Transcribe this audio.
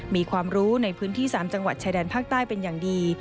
มีความรู้ในพื้นที่๓จังหวัดชายแดนภาคใต้เป็นอย่างดี